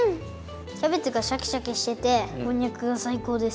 キャベツがシャキシャキしててこんにゃくがさいこうです。